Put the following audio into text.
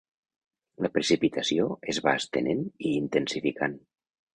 La precipitació es va estenent i intensificant.